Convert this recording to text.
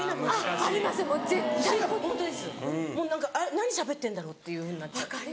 何しゃべってんだろうっていうふうになっちゃう。